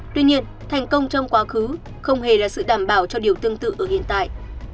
tuy nhiên thành công trong quá khứ không hề là sự đảm bảo cho điều tương tự ở hiện tại